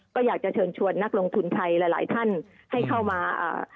ก็อยากจะเชิญชวนนักลงทุนไทยหลายหลายท่านให้เข้ามาอ่า